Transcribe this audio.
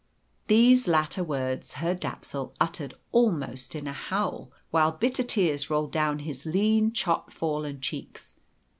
These latter words Herr Dapsul uttered almost in a howl, while bitter tears rolled down his lean chop fallen cheeks.